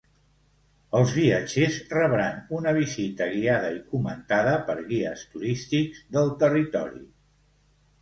Els viatgers rebran una visita guiada i comentada per guies turístics del territori.